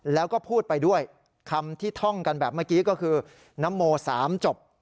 แล้วก็พูดไปด้วยคำที่ท่องกันแบบเมื่อกี้ก็คือนโม๓จบ